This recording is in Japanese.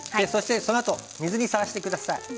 そのあと水にさらしてください。